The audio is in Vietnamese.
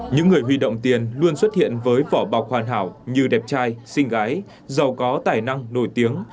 những người huy động tiền luôn xuất hiện với vỏ bọc hoàn hảo như đẹp trai sinh gái giàu có tài năng nổi tiếng